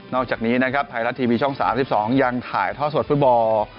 อกจากนี้นะครับไทยรัฐทีวีช่อง๓๒ยังถ่ายท่อสดฟุตบอล